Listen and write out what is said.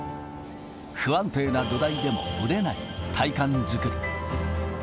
不安定な土台でもぶれない体幹作り。